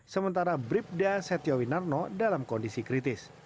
sementara bribda setiowinarno dalam kondisi kritis